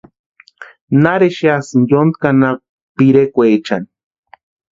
¿Nari exeasïni yónki anapu pirekwaechani?